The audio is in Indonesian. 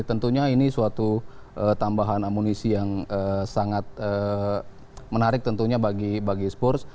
tentunya ini suatu tambahan amunisi yang sangat menarik tentunya bagi spurs